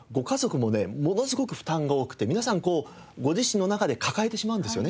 ものすごく負担が多くて皆さんこうご自身の中で抱えてしまうんですよね。